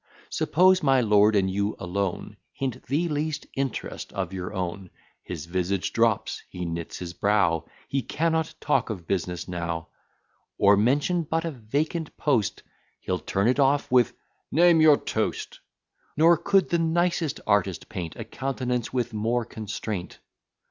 Suppose my lord and you alone; Hint the least interest of your own, His visage drops, he knits his brow, He cannot talk of business now: Or, mention but a vacant post, He'll turn it off with "Name your toast:" Nor could the nicest artist paint A countenance with more constraint.